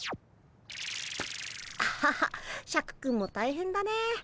ハハシャクくんも大変だね。